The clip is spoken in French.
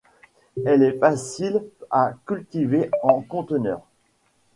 Elle est facile à cultiver en conteneur.